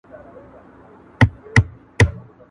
¬ يوه ويل څه وخورم ، بل ويل په چا ئې وخورم.